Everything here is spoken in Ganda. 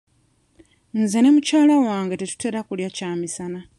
Nze ne mukyala wange tetutera kulya kyamisana.